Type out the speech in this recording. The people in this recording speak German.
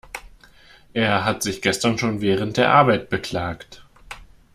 Er hat sich gestern schon während der Arbeit beklagt.